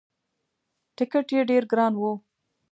ټکت یې ډېر ګران وو.